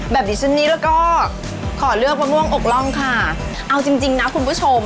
ดิฉันนี้แล้วก็ขอเลือกมะม่วงอกร่องค่ะเอาจริงจริงนะคุณผู้ชม